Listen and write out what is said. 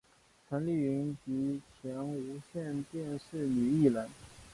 陈丽云及前无线电视女艺员。